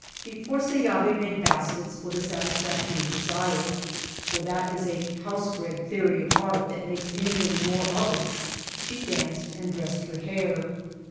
Before Seyavi made baskets for the sat isfaction of desire, — for that is a house bred theory of art that makes anything more of it, — she danced and dressed her hair.